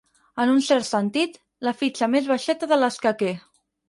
En un cert sentit, la fitxa més baixeta de l'escaquer.